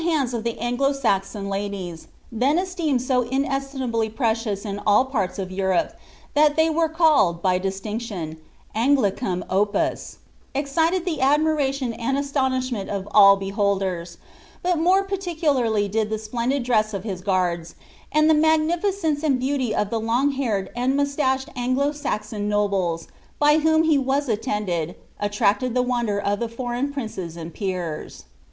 hands of the Anglo . Saxua bulies, (llien esteemed so inestimably precious in all parts nf E» tope, that ihey were called, by distinction, AngUcum opus,') esrited the /y' KlniiraUoQ and astonishment of all beholders ; but more purlicularly did ihi kiilrndid dress of hiii guards, end the magnificence and beauty of the t^ ^ioircd anil uiouslached An^lo Ssson noblus, by whum he was iiirndcd, attmct the wonder of itie foreign princes and peers.